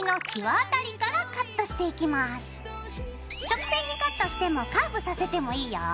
直線にカットしてもカーブさせてもいいよ。